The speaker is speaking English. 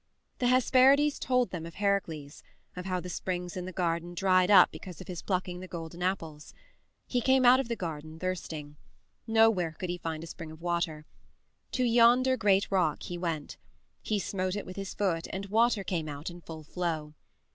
The Hesperides told them of Heracles of how the springs in the garden dried up because of his plucking the golden apples. He came out of the garden thirsting. Nowhere could he find a spring of water. To yonder great rock he went. He smote it with his foot and water came out in full floe..